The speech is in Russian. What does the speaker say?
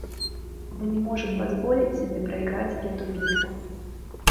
Мы не можем позволить себе проиграть эту битву.